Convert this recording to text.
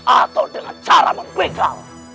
atau dengan cara mengbekal